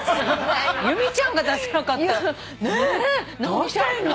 由美ちゃんが出せなかったらねえどうしたらいいの？